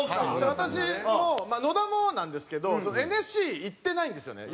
私も野田もなんですけどＮＳＣ行ってないんですよね